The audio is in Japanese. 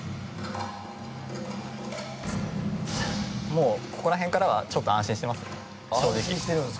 もう、ここら辺からはちょっと安心してますね、正直。